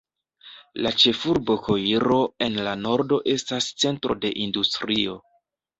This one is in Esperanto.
La ĉefurbo Koiro en la nordo estas centro de industrio.